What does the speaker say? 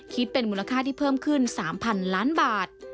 คิดเป็นมูลค่าที่เพิ่มขึ้น๓๐๐๐ล้านบาท